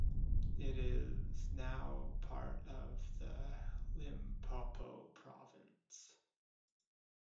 It is now part of the Limpopo province.